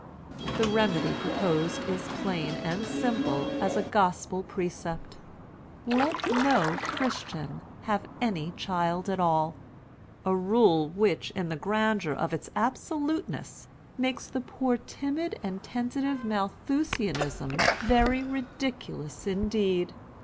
The remedy proposed is plain and simple as a gospel precept: let no Christian have any child at all—a rule which, in the grandeur of its absoluteness makes the poor timid and tentative Malthusianism very ridiculous indeed.